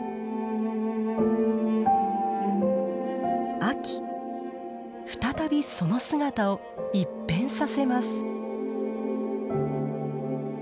秋再びその姿を一変させます。